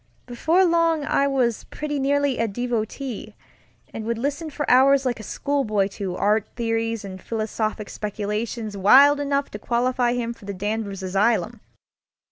Before long I was pretty nearly a devotee, and would listen for hours like a schoolboy to art theories and philosophic speculations wild enough to qualify him for the Danvers asylum.